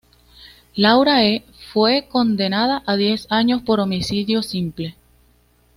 Laura E. fue condenada a diez años por homicidio simple.